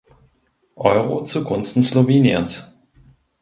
Euro zu Gunsten Sloweniens.